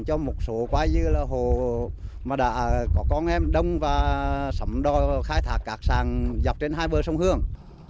cho một số quá dư là hồ mà đã có con em đông và sẵn đo khai thác cắt sản dọc trên hai bờ sông hương